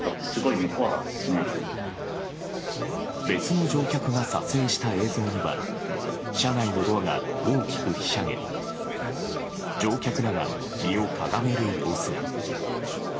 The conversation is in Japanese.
別の乗客が撮影した映像には車内のドアが大きくひしゃげ乗客らが身をかがめる様子が。